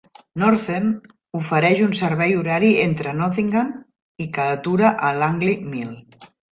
Northern ofereix un servei horari entre Nottingham i que atura a Langley Mill.